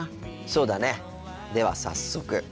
そうだねでは早速。